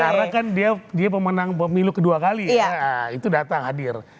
karena kan dia pemenang pemilu kedua kali ya itu datang hadir